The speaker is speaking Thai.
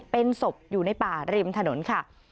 เป็นศพอยู่ในป่าริมถนนค่ะ